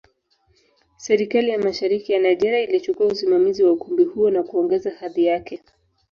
Serikali ya Mashariki ya Nigeria ilichukua usimamizi wa ukumbi huo na kuongeza hadhi yake.